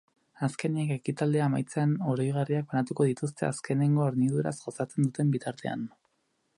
Azkenik, ekitaldia amaitzean oroigarriak banatuko dituzte azkenengo horniduraz gozatzen duten bitartean.